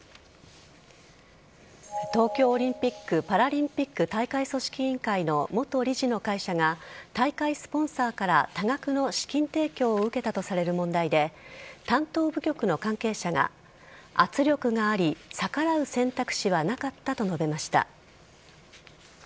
東京オリンピック・パラリンピック大会組織委員会の元理事の会社が大会スポンサーから多額の資金提供を受けたとされる問題で担当部局の関係者が圧力があり逆らう選択肢はなかったと述べました。